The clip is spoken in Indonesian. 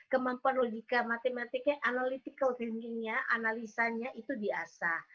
kemampuan logika matematiknya analytical thinkingnya analisanya itu di asah